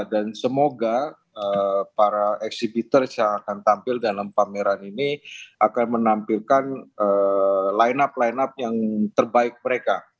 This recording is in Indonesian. dan semoga para exhibitors yang akan tampil dalam pameran ini akan menampilkan line up line up yang terbaik mereka